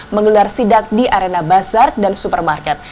menggelar sidak di arena bazar dan supermarket